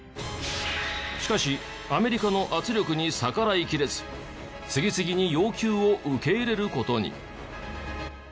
しかしアメリカの圧力に逆らいきれず次々に要求を受け入れる事に。